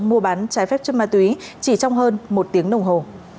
mua bán trái phép chất ma túy chỉ trong hơn một tiếng đồng hồ